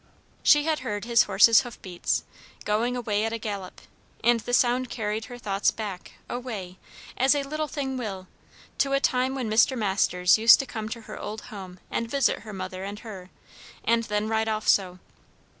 She had heard his horse's hoof beats, going away at a gallop; and the sound carried her thoughts back, away, as a little thing will, to a time when Mr. Masters used to come to her old home to visit her mother and her, and then ride off so.